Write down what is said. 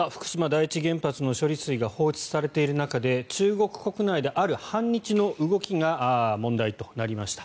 第一原発の処理水が放出されている中で中国国内で、ある反日の動きが問題となりました。